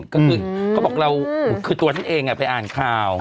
ก็คือเขาบอกเราคือตัวท่านเองไปอ่านข่าว